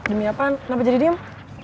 demi apaan kenapa jadi diem